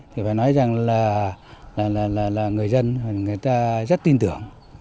phải nói rằng là người dân rất tin tưởng